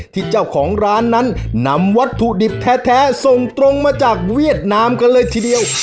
ที่เจ้าของร้านนั้นนำวัตถุดิบแท้ส่งตรงมาจากเวียดนามกันเลยทีเดียว